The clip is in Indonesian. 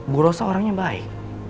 bu rosa orangnya baik